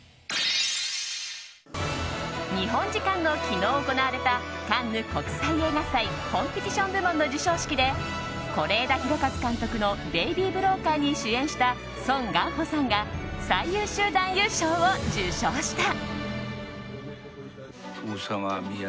日本時間の昨日、行われたカンヌ国際映画祭コンペティション部門の授賞式で是枝裕和監督の「ベイビー・ブローカー」に主演したソン・ガンホさんが最優秀男優賞を受賞した。